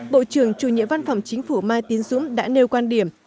bộ trưởng chủ nhiệm văn phòng chính phủ mai tín dũng đã nêu quan điểm